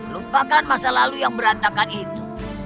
lupakan masa lalu yang berantakan itu